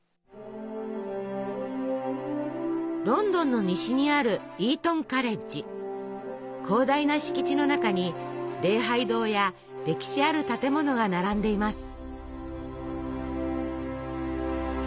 ロンドンの西にある広大な敷地の中に礼拝堂や歴史ある建物が並んでいます。